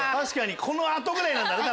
この後ぐらいなんだね。